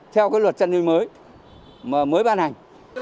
theo luật chăn nuôi mới mới ban hành